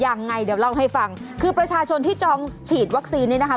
ยังไงเดี๋ยวเล่าให้ฟังคือประชาชนที่จองฉีดวัคซีนนี้นะคะ